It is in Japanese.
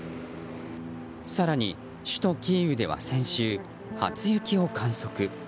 更に首都キーウでは先週初雪を観測。